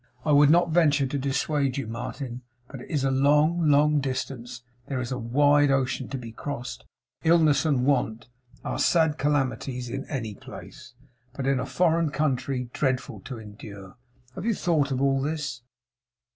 I would not venture to dissuade you, Martin; but it is a long, long distance; there is a wide ocean to be crossed; illness and want are sad calamities in any place, but in a foreign country dreadful to endure. Have you thought of all this?